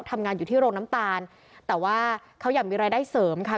ทำงานอยู่ที่โรงน้ำตาลแต่ว่าเขาอยากมีรายได้เสริมค่ะ